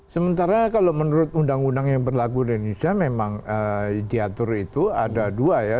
sementara kalau menurut undang undang yang berlaku di indonesia memang diatur itu ada dua ya